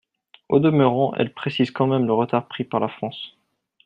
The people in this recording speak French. Au demeurant, elles précisent quand même le retard pris par la France.